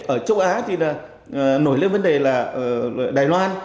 ở châu á thì nổi lên vấn đề là ở đài loan